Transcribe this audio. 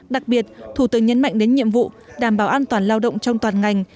đặc biệt thủ tướng nhấn mạnh đến nhiệm vụ đảm bảo an toàn lao động trong toàn ngành